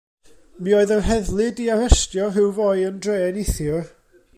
Mi oedd yr heddlu 'di arestio rhyw foi yn dre neithiwr.